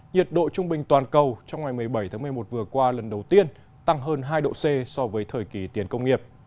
nhiệt độ trung bình toàn cầu trong ngày một mươi bảy tháng một mươi một vừa qua lần đầu tiên tăng hơn hai độ c so với thời kỳ tiền công nghiệp